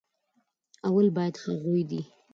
اول بايد هغوي دې